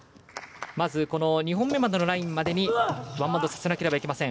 まずこの２本目までのラインまでにワンバウンドさせなければいけません。